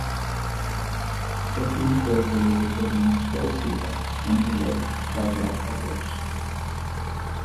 The team were relegated in his first season, and he left shortly afterwards.